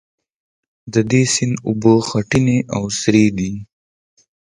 د دې سیند اوبه خټینې او سرې دي.